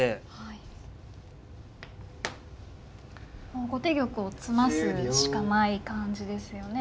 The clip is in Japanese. もう後手玉を詰ますしかない感じですよね